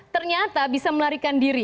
ternyata bisa melarikan diri